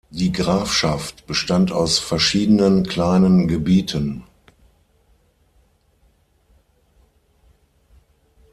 Die Grafschaft bestand aus verschiedenen kleinen Gebieten.